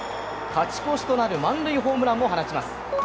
勝ち越しとなる満塁ホームランを放ちます。